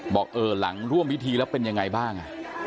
บอกเออหลังร่วมพิธีแล้วเป็นยังไงบ้าง